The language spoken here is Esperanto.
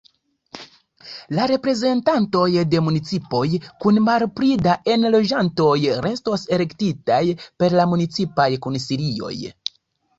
La reprezentantoj de municipoj kun malpli da enloĝantoj restos elektitaj per la municipaj konsilioj.